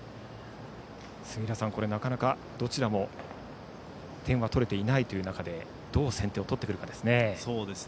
杉浦さん、なかなかどちらも点が取れていない中でどう先手を取ってくるかですね。